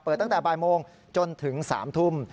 ตั้งแต่บ่ายโมงจนถึง๓ทุ่ม